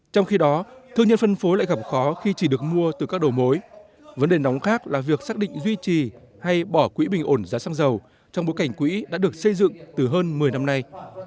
trong khi đó thương nhân phân phối lại gặp khó khi chỉ được mua từ các đồ mối vấn đề nóng khác là việc xác định duy trì hay bỏ quỹ bình ổn giá xăng dầu trong bối cảnh quỹ đã được xây dựng từ hơn một mươi năm nay